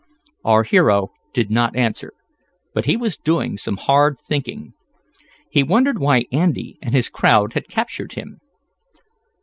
Our hero did not answer, but he was doing some hard thinking. He wondered why Andy and his crowd had captured him.